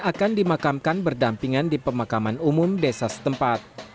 akan dimakamkan berdampingan di pemakaman umum desa setempat